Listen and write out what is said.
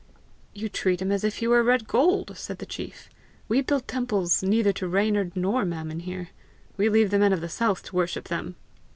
"You treat him as if he were red gold!" said the chief. "We build temples neither to Reynard nor Mammon here. We leave the men of the south to worship them!"